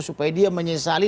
supaya dia menyesali